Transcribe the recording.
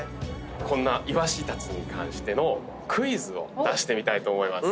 こんなイワシたちに関してのクイズを出してみたいと思います。